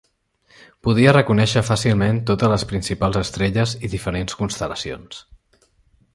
Podia reconèixer fàcilment totes les principals estrelles i diferents constel·lacions.